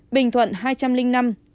bình thuận hai trăm linh năm